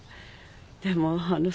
でもあのう。